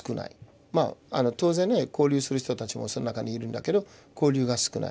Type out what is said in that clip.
当然ね交流する人たちもその中にいるんだけど交流が少ない。